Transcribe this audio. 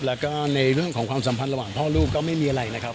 แล้วก็ในเรื่องของความสัมพันธ์ระหว่างพ่อลูกก็ไม่มีอะไรนะครับ